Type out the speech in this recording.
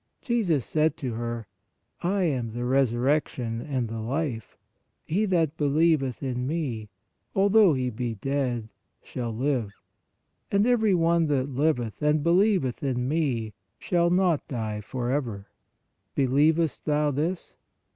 Jesus said to her: I am the resurrection and the life; he that believeth in Me, although he be dead, shall live. And every one that liveth and believeth in Me, shall not die forever. Believest thou this?